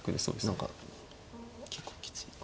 何か結構きついか。